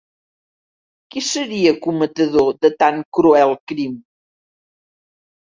Qui seria cometedor de tan cruel crim?